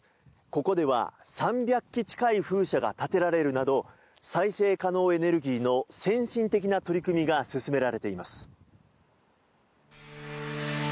ここでは３００基近い風車が建てられるなど再生可能エネルギーの先進的な取り組みが進められています。